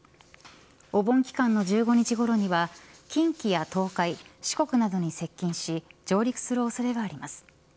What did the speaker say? お盆期間の１５日ごろには近畿や東海四国などに接近し上陸する恐れがあります。